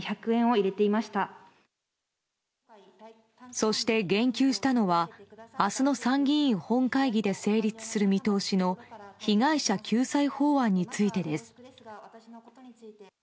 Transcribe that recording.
そして言及したのは明日の参議院本会議で成立する見通しの被害者救済法案についてです。